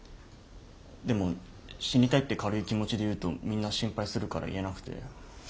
でも死にたいって軽い気持ちで言うとみんな心配するから言えなくて。